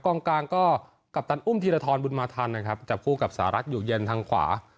กลางก็กัปตันอุ้มธีรทรบุญมาทันนะครับจับคู่กับสหรัฐอยู่เย็นทางขวา